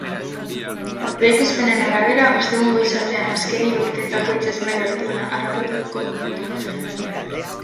Aurreikuspenen arabera, ostegun goizaldean azken hiru urteetako itsas maila altuena harrapatuko du.